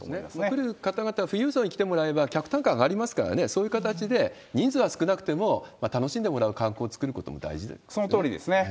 来る方々、富裕層に来てもらえれば、客単価が上がりますからね、そういう形で、人数は少なくても楽しんでもらう観光を作ることも大事ですよね。